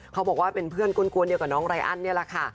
เขาบอกว่าเป็นเพื่อนกล้วนเดียวกับน้องไรอันนี่แหละค่ะ